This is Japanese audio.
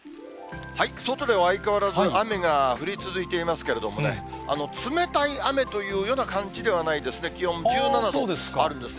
外では相変わらず雨が降り続いていますけれどもね、冷たい雨というような感じではないんですね、気温１７度あるんですね。